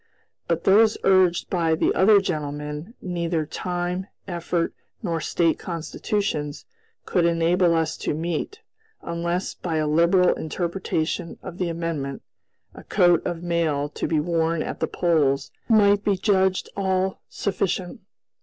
But those urged by the other gentlemen, neither time, effort, nor State Constitutions could enable us to meet, unless, by a liberal interpretation of the amendment, a coat of mail to be worn at the polls might be judged all sufficient.